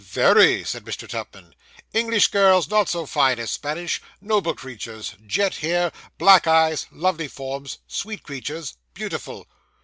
'Very!' said Mr. Tupman. 'English girls not so fine as Spanish noble creatures jet hair black eyes lovely forms sweet creatures beautiful.